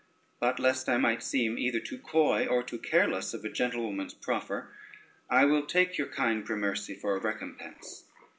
But lest I might seem either too coy or too careless of a gentlewoman's proffer, I will take your kind gramercy for a recompense."